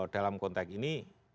dalam konteks ini